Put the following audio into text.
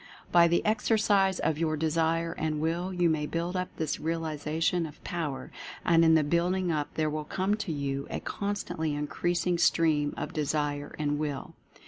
By the exercise of your Desire and Will you may build up this realization of Power, and in the building up there will come to you a constantly increasing stream of Desire and Will.